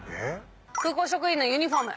空港職員のユニフォーム。